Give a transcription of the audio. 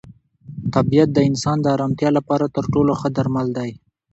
طبیعت د انسان د ارامتیا لپاره تر ټولو ښه درمل دی.